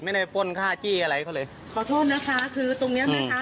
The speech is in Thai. ไม่ได้ป้นค่าจี้อะไรเขาเลยขอโทษนะคะคือตรงเนี้ยนะคะ